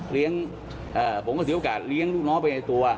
เลี้ยงลูกน้องนะครับผมก็เสียโอกาสเลี้ยงลูกน้องไปในตัว